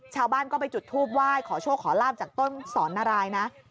ชาวบ้านก็ไปจุดทูปไหว้ขอโชคขอลาบจากต้นสอนนารายนะ